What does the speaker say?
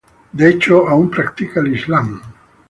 De hecho, aún práctica el Islam.